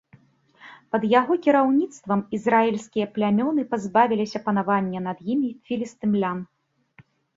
Пад яго кіраўніцтвам ізраільскія плямёны пазбавіліся панавання над імі філістымлян.